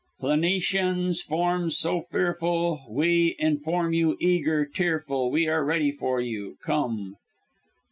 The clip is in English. Planetians, forms so fearful, We inform you, eager, tearful, We are ready for you Come!